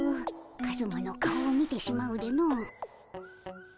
カズマの顔を見てしまうでの。